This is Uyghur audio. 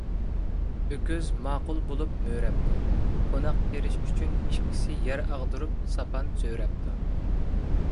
ئۆكۈز ماقۇل بولۇپ مۆرەپتۇ. قوناق تېرىش ئۈچۈن ئىككىسى يەر ئاغدۇرۇپ ساپان سۆرەپتۇ.